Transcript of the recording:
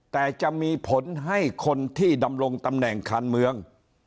แต่จะมีผลให้คนที่ดำรงตำแหน่งคันเมือง